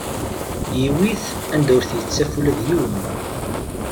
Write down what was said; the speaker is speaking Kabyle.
Yewwi-t anda ur t-yettaf ula d yiwen.